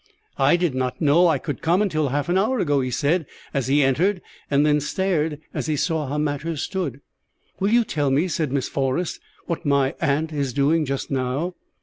"I did not know I could come until half an hour ago," he said as he entered, and then stared as he saw how matters stood. "Will you tell me," said Miss Forrest, "what my aunt is doing just now?"